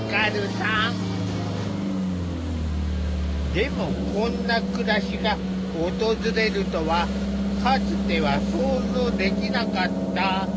でもこんな暮らしが訪れるとはかつては想像できなかった。